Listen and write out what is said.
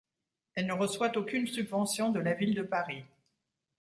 Elle ne reçoit aucune subvention de la Ville de Paris.